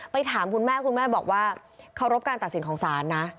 ถามคุณแม่คุณแม่บอกว่าเคารพการตัดสินของศาลนะ